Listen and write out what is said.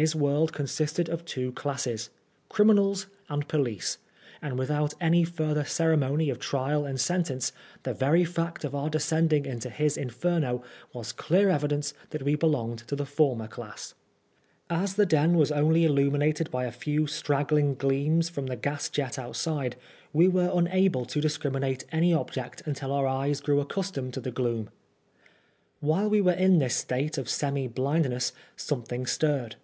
His world consisted of two classes —criminals and police ; and without any further cere mony of trial and sentence, the very fact of our descending into his Inferno was clear evidence that we belonged to the former class. 76 PRISONER FOR BLASPHEMY. As the den was only illuminated by a few straggling gleams from the gas jet outside, we were unable to dis criminate any object until our eyes grew accustomed to the gloom. While we were in this state of semi blindness, something stirred.